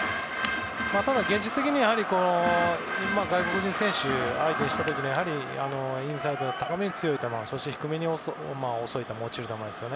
ただ、現実的には今、外国人選手を相手にした時にインサイドの高めに強い球そして低め、外に落ちる球。